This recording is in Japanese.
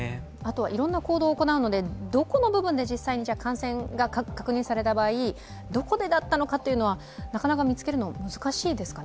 いろんな行動を行うので感染が確認された場合どこでだったのかというのはなかなか見つけるの、難しいですかね。